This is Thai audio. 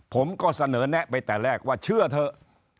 ผมก็เสนอแนะไปแต่แรกว่าเชื่อเถอะ